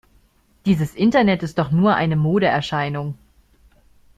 Dieses Internet ist doch nur eine Modeerscheinung!